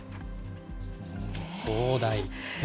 壮大。